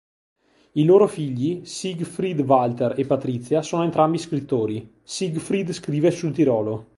I loro figli, Siegfried Walter e Patrizia, sono entrambi scrittori, Siegfried scrive sul Tirolo.